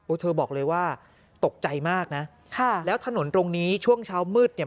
เธอบอกเลยว่าตกใจมากนะค่ะแล้วถนนตรงนี้ช่วงเช้ามืดเนี่ย